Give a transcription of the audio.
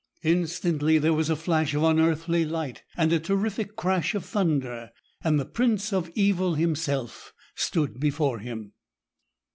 Instantly there was a flash of unearthly light, and a terrific crash of thunder, and the Prince of Evil himself stood before him!